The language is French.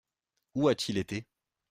Où a-t-il été ?